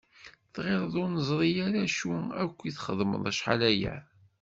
Tɣilleḍ ur neẓri ara acu akk i txeddmeḍ acḥal aya?